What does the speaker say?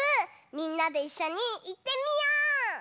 みんなでいっしょにいってみよう！